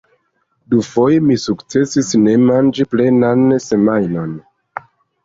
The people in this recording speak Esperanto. Dufoje mi sukcesis ne manĝi plenan semajnon.